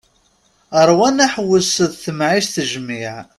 Rwan aḥewwes d temɛict jmiɛ.